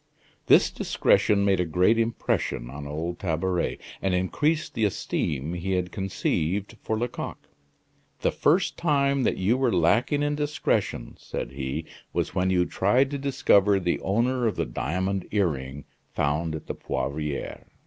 This discretion made a great impression on old Tabaret, and increased the esteem he had conceived for Lecoq. "The first time that you were lacking in discretion," said he, "was when you tried to discover the owner of the diamond earring found at the Poivriere."